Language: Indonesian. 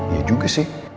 ya juga sih